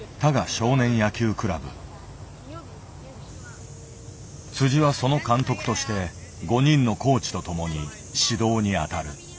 少年野球クラブ。はその監督として５人のコーチと共に指導に当たる。